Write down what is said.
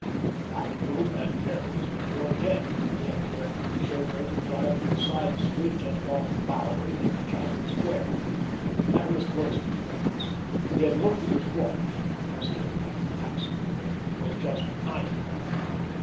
"The back room at Jerry's before ten." He had directed the chauffeur to drive to a side street just off the Bowery near Chatham Square—that was close to Jerry's. He had looked at his watch, as he had entered the taxi. It was just nine o'clock.